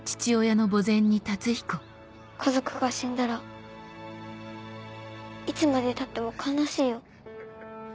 家族が死んだらいつまでたっても悲しいよ。